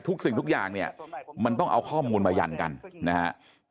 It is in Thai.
สิ่งทุกอย่างเนี่ยมันต้องเอาข้อมูลมายันกันนะฮะ